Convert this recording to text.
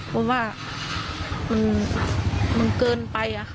เพราะว่ามันเกินไปอะค่ะ